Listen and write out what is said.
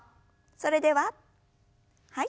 それでははい。